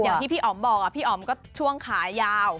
อย่างที่พี่อ๋อมบอกพี่อ๋อมก็ช่วงขายาว